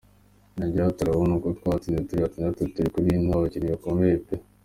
Yongeyeho ati “Urabona uko twatsinze turi batandatu mu kuri ni abakinnyi bakomeye pe.